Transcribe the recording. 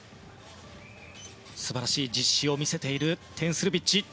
素晴らしい実施を見せている、テン・スルビッチ。